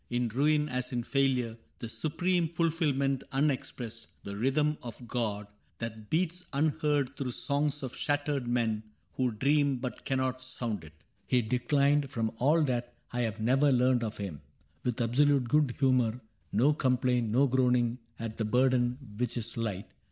In ruin as in failure, the supreme Fulfillment unexpressed, the rhythm of God That beats unheard through songs of shattered men Who dream but cannot sound it. — He declined. From all that I have ever learned of him. With absolute good humor. No complaint. No groaning at the burden which is light.